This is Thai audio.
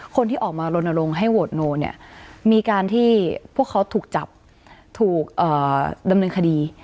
คนที่ออกมาลนลงให้โหวตโนเนี่ยมีการที่พวกเขาถูกจับถูกดำเนินคดี